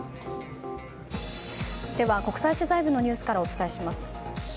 では、国際取材部のニュースからお伝えします。